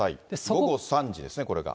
午後３時ですね、これが。